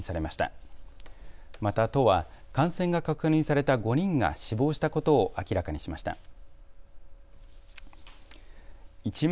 また都は感染が確認された５人が死亡したことを明らかにしました。